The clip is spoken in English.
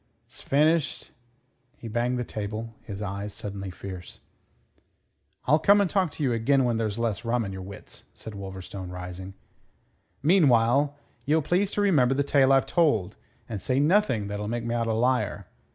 'S finished'" He banged the table, his eyes suddenly fierce. "I'll come and talk to you again when there's less rum in your wits," said Wolverstone, rising. "Meanwhile ye'll please to remember the tale I've told, and say nothing that'll make me out a liar.